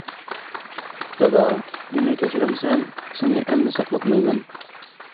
دادا، مېنى كەچۈرەمسەن؟ سىنى ئەمدى ساقلاتمايمەن.